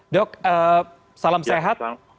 dok salam sehat